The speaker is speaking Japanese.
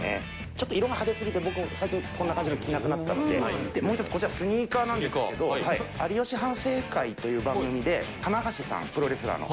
ちょっと色が派手すぎて、僕も最近、こんな感じの着なくなったので、もう１つ、こちら、スニーカーなんですけど、有吉反省会という番組で、棚橋さん、プロレスラーの。